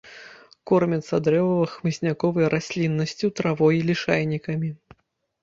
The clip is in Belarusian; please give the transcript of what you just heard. Кормяцца дрэвава-хмызняковай расліннасцю, травой, лішайнікамі.